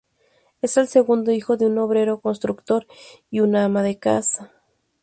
Es el segundo hijo de un obrero constructor y una ama de casa.